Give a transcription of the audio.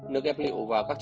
nước ép liệu và các chất bệnh